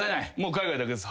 海外だけです